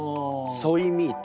ソイミート。